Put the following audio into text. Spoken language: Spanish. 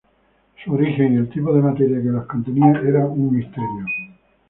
Su origen y el tipo de materia que los contenía era un misterio.